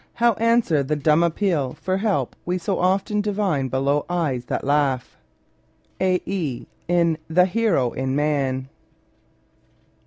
How answer the dumb appeal for help we so often divine below eyes that laugh?— iE. in " The Hero in Man."